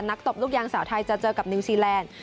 ตบลูกยางสาวไทยจะเจอกับนิวซีแลนด์